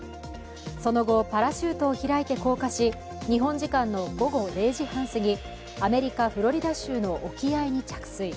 その後、パラシュートを開いて降下し日本時間の午後０時半すぎ、アメリカ・フロリダ州の沖合に着水。